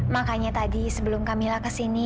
makanya tadi sebelum kamilah kesini